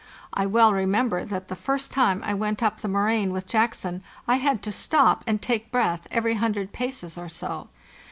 I well remember that the first time I went up the moraine with Jackson I had to stop and take breath every hundred paces or so.